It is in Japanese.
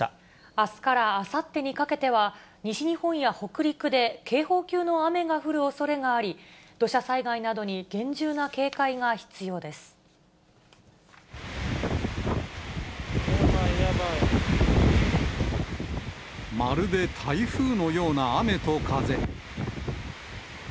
あすからあさってにかけては、西日本や北陸で警報級の雨が降るおそれがあり、土砂災害などに厳まるで台風のような雨と風。